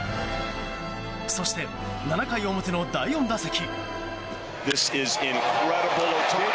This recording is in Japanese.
そして、７回表の第４打席。